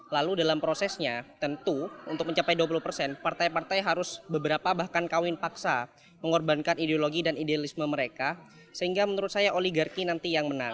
lalu dalam prosesnya tentu untuk mencapai dua puluh persen partai partai harus beberapa bahkan kawin paksa mengorbankan ideologi dan idealisme mereka sehingga menurut saya oligarki nanti yang menang